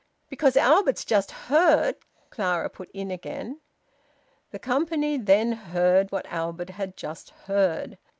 "Because Albert just heard " Clara put in again. The company then heard what Albert had just heard.